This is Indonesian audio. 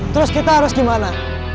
terus kita harus gimana